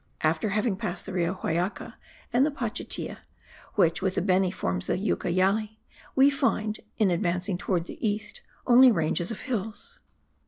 After having passed the Rio Huallaga and the Pachitea, which with the Beni forms the Ucayali, we find, in advancing towards the east, only ranges of hills.